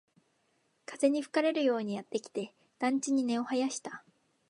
風に吹かれるようにやってきて、団地に根を生やした